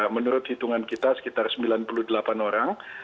menurut hitungan kita sekitar sembilan puluh delapan orang